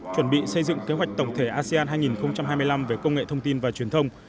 chuẩn bị xây dựng kế hoạch tổng thể asean hai nghìn hai mươi năm về công nghệ thông tin và truyền thông